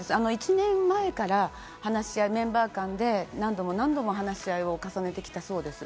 １年前から話し合い、メンバー間で何度も何度も話し合いを重ねてきたそうです。